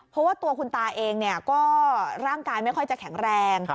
เพราะว่าตัวคุณตาเองก็ร่างกายไม่ค่อยจะแข็งแรง